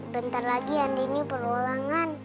bentar lagi andini perlu ulangan